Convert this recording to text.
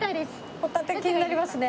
ホタテ気になりますね。